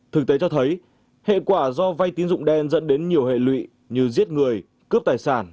thực tế cho thấy hệ quả do vay tín dụng đen dẫn đến nhiều hệ lụy như giết người cướp tài sản